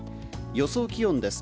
予想気温です。